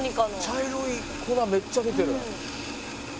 茶色い粉めっちゃ出てる。